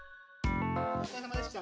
おつかれさまでした。